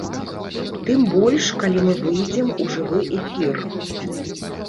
Тым больш калі мы выйдзем у жывы эфір.